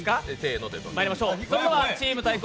それではチーム対抗！